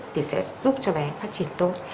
thì sẽ giúp cho bé phát triển tốt